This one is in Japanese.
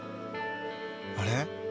あれ？